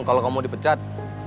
kalau kamu mau dipecat